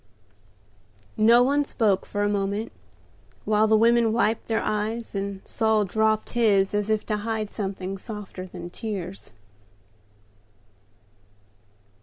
No one spoke for a moment, while the women wiped their eyes, and Saul dropped his as if to hide something softer than tears.